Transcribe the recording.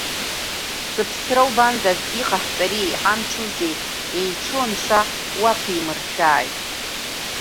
Сыԥсра убандаз, иҟаҳҵари, иҳамчузеи, еицәоу анцәа уақәимыршәааит!